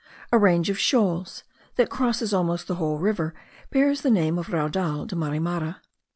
A range of shoals, that crosses almost the whole river, bears the name of the Raudal de Marimara.